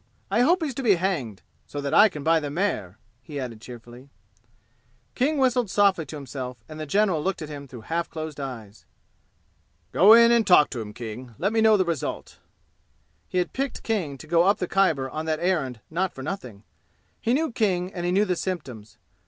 I hope he's to be hanged. So that I can buy the mare," he added cheerfully. King whistled softly to himself, and the general looked at him through half closed eyes. "Go in and talk to him, King. Let me know the result." He had picked King to go up the Khyber on that errand not for nothing. He knew King and he knew the symptoms.